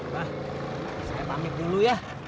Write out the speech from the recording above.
wah saya pamit dulu ya